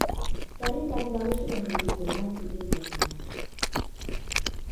Sarritan babestuta sentitzen naiz iluntasunean.